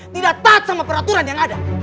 tidak taat sama peraturan yang ada